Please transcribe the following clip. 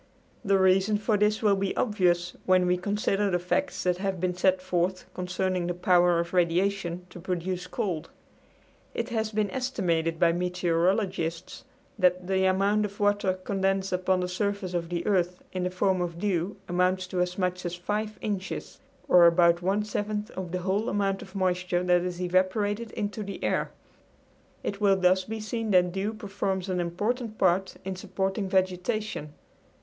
The reason for this will be obvious when we consider the facts that have been set forth concerning the power of radiation to produce cold. It has been estimated by meteorologists that the amount of water condensed upon the surface of the earth in the form of dew amounts to as much as five inches, or about one seventh of the whole amount of moisture that is evaporated into the air. It will thus be seen that dew performs an important part in supporting vegetation.